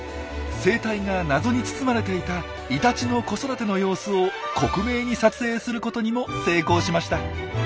生態が謎に包まれていたイタチの子育ての様子を克明に撮影することにも成功しました。